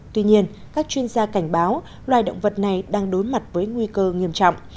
tuy nhiên các chuyên gia cảnh báo loài động vật này đang đối mặt với nguy cơ nghiêm trọng